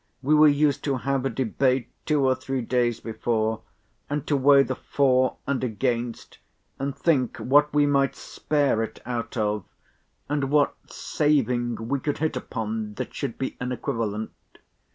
we were used to have a debate two or three days before, and to weigh the for and against, and think what we might spare it out of, and what saving we could hit upon, that should be an equivalent.